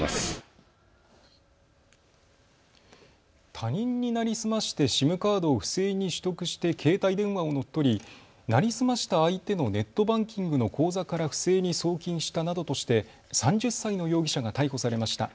他人に成り済ましてＳＩＭカードを不正に取得して携帯電話を乗っ取り成り済ました相手のネットバンキングの口座から不正に送金したなどとして３０歳の容疑者が逮捕されました。